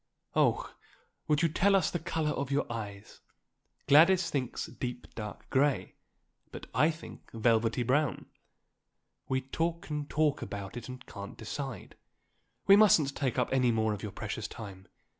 Oh, would you tell us the colour of your eyes? Gladys thinks deep, dark grey, but I think velvety brown; we talk and talk about it and can't decide. We mustn't take up any more of your precious time.